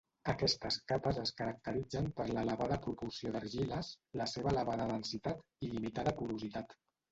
Aquestes capes es caracteritzen per l'elevada proporció d'argiles, la seva elevada densitat i limitada porositat.